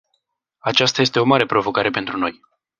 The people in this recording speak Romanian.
Aceasta este o mare provocare pentru noi.